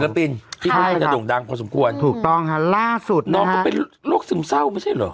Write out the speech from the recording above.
ยังเป็นศิลปินใช่ค่ะถูกต้องค่ะล่าสุดนะคะน้องก็เป็นโรคซึมเศร้าไม่ใช่เหรอ